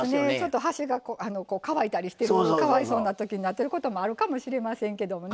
端が乾いたりしてかわいそうになってるのもあるかもしれませんけどもね。